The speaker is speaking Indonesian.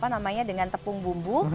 namanya dengan tepung bumbu